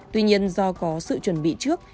tuy nhiên do có sự chuẩn bị trước